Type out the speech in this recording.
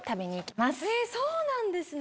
そうなんですね！